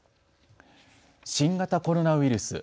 新型コロナウイルス。